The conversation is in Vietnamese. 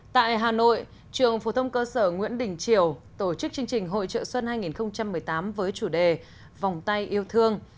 tại hà nội trường phổ thông cơ sở nguyễn đình triều tổ chức chương trình hội trợ xuân hai nghìn một mươi tám với chủ đề vòng tay yêu thương